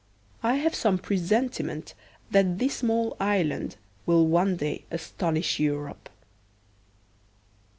I have some presentiment that this small island will one day astonish Europe.